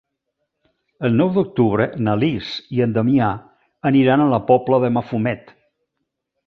El nou d'octubre na Lis i en Damià aniran a la Pobla de Mafumet.